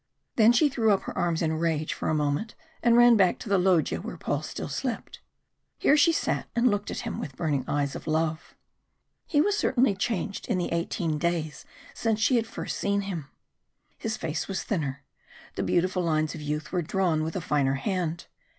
Then she threw up her arms in rage for a moment, and ran back to the loggia where Paul still slept. Here she sat and looked at him with burning eyes of love. He was certainly changed in the eighteen days since she had first seen him. His face was thinner, the beautiful lines of youth were drawn with a finer hand.